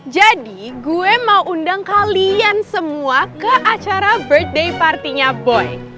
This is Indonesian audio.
jadi gue mau undang kalian semua ke acara birthday partynya boy